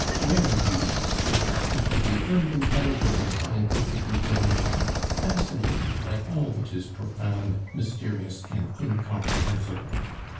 Where, you ask, is that perfectly unintelligible scientific information, fascinating, like all that is profound, mysterious, and incomprehensible.